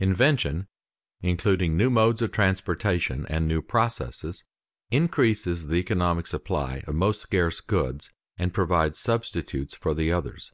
_Invention, including new modes of transportation and new processes, increases the economic supply of most scarce goods and provides substitutes for the others.